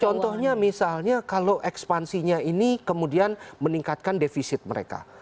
contohnya misalnya kalau ekspansinya ini kemudian meningkatkan defisit mereka